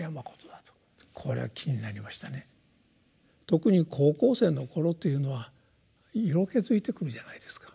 特に高校生の頃というのは色気づいてくるじゃないですか。